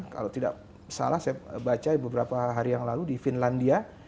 kalau tidak salah saya baca beberapa hari yang lalu di finlandia